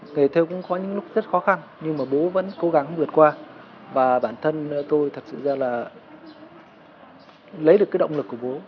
nghề theo cũng có những lúc rất khó khăn nhưng mà bố vẫn cố gắng vượt qua và bản thân tôi thật sự ra là lấy được cái động lực của bố